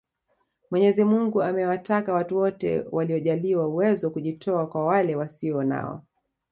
Mwenyezi Mungu amewataka watu wote waliojaliwa uwezo kujitoa kwa wale wasio nao